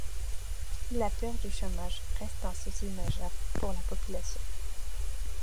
La peur du chômage reste un souci majeur pour la population.